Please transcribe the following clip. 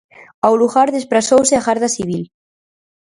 Ao lugar desprazouse a Garda Civil.